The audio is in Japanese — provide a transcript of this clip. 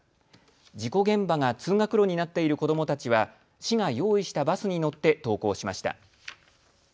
事故現場が通学路になっている子どもたちは市が用意したバスに乗って登校しました。